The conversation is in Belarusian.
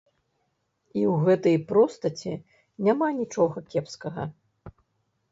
І ў гэтай простасці няма нічога кепскага.